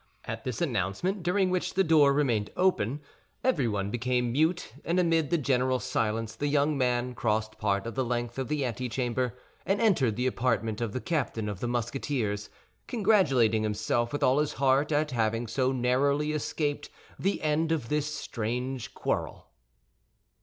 At this announcement, during which the door remained open, everyone became mute, and amid the general silence the young man crossed part of the length of the antechamber, and entered the apartment of the captain of the Musketeers, congratulating himself with all his heart at having so narrowly escaped the end of this strange quarrel.